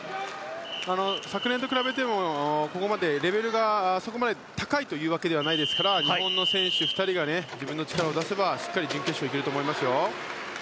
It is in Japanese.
昨年と比べてもここまでレベルがそこまで高いわけではないですから日本の選手２人が自分の力を出せばしっかり準決勝にいけると思います。